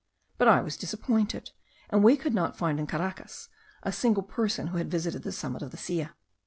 But I was disappointed; and we could not find in Caracas a single person who had visited the summit of the Silla.